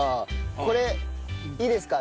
これいいですか？